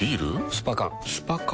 スパ缶スパ缶？